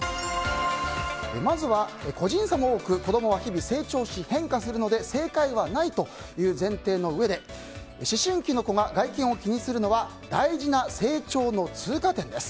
まずは個人差も多く子供は日々成長し変化するので正解はないという前提のうえで思春期の子が外見を気にするのは大事な成長の通過点です。